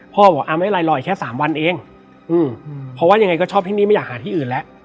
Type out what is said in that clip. บอกไม่เป็นไรรออีกแค่๓วันเองเพราะว่ายังไงก็ชอบที่นี่ไม่อยากหาที่อื่นแล้ว